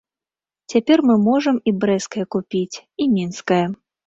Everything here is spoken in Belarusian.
Цяпер мы можам і брэсцкае купіць, і мінскае.